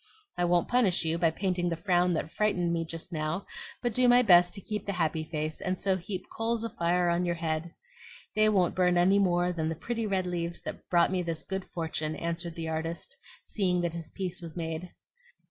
"I won't punish you by painting the frown that quite frightened me just now, but do my best to keep the happy face, and so heap coals of fire on your head. They won't burn any more than the pretty red leaves that brought me this good fortune," answered the artist, seeing that his peace was made.